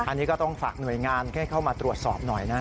อันนี้ก็ต้องฝากหน่วยงานให้เข้ามาตรวจสอบหน่อยนะ